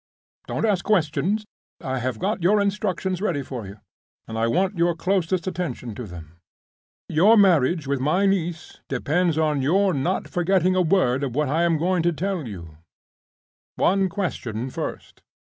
Don't ask questions! I have got your instructions ready for you, and I want your closest attention to them. Your marriage with my niece depends on your not forgetting a word of what I am now going to tell you.—One question first.